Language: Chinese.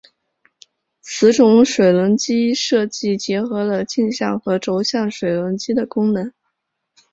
此种水轮机设计结合了径向和轴向水轮机的功能。